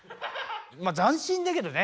まあざん新だけどね。